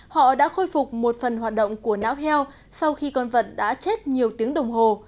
họ đã khôi phục một phần hoạt động của não heo sau khi con vật đã chết nhiều tiếng đồng hồ